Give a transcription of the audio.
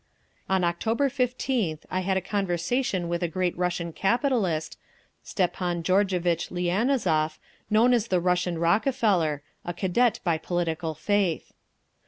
On October 15th I had a conversation with a great Russian capitalist, Stepan Georgevitch Lianozov, known as the "Russian Rockefeller"—a Cadet by political faith.